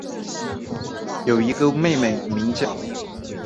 有一位妹妹名叫。